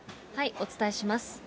お伝えします。